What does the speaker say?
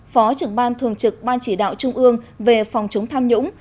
phó trưởng ban thường trực ban chỉ đạo trung ương về phòng chống tham nhũng